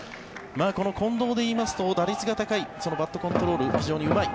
この近藤で言いますと打率が高いそのバットコントロール非常にうまい。